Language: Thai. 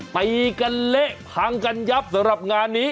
ตีกันเละพังกันยับสำหรับงานนี้